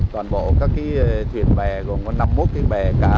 toàn bộ các thuyền bè gồm có năm mươi một cái bè cá